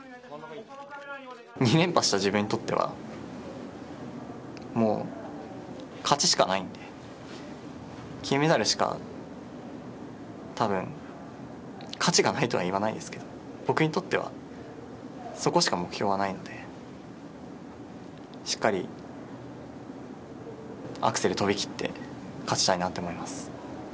２連覇した自分にとっては、もう勝ちしかないんで、金メダルしかたぶん、価値がないとは言わないですけど、僕にとってはそこしか目標がないので、しっかりアクセル跳びきって、勝ちたいなって思います。